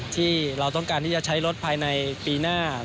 ที่เราต้องการที่จะใช้รถภายในปีหน้า